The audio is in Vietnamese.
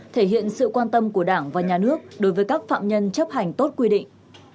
thể hiện sự quan tâm của đảng và nhà nước đối với các phạm nhân chấp hành tốt quy định